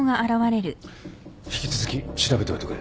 引き続き調べておいてくれ。